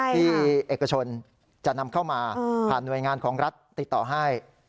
ที่เอกชนจะนำเข้ามาผ่านหน่วยงานของรัฐติดต่อให้